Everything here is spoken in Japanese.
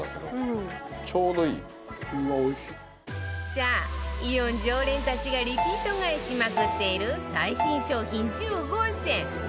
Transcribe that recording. さあ、イオン常連たちがリピート買いしまくってる最新商品１５選